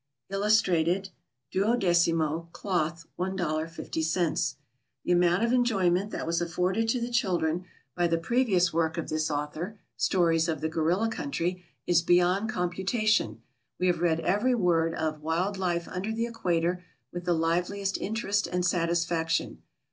Illustrated. 12mo, Cloth, $1.50. The amount of enjoyment that was afforded to the children by the previous work of this author, "Stories of the Gorilla Country," is beyond computation. We have read every word of "Wild Life under the Equator" with the liveliest interest and satisfaction.